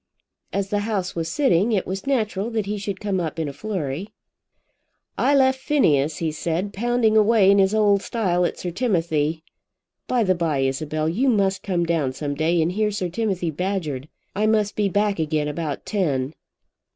As the House was sitting, it was natural that he should come up in a flurry. "I left Phineas," he said, "pounding away in his old style at Sir Timothy. By the bye, Isabel, you must come down some day and hear Sir Timothy badgered. I must be back again about ten.